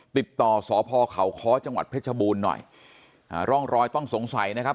ติดต่อสพเขาค้อจังหวัดเพชรบูรณ์หน่อยอ่าร่องรอยต้องสงสัยนะครับ